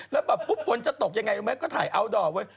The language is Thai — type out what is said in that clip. แล้วแบบปุ๊บฝนจะตกยังไงรู้ไหมก็ถ่ายอัลดอร์ไว้